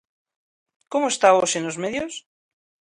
Como está hoxe nos medios?